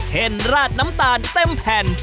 ราดน้ำตาลเต็มแผ่น